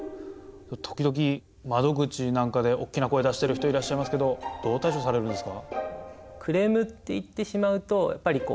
時々窓口なんかでおっきな声出してる人いらっしゃいますけどどう対処されるんですか？